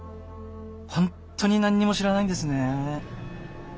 本当に何にも知らないんですねえ。